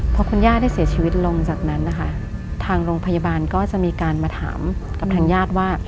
พอคุณย่าได้เสียชีวิตลงจากนั้นนะคะทางโรงพยาบาลก็จะมีการมาถามกับทางญาติว่า